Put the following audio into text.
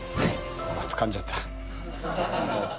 お掴んじゃった。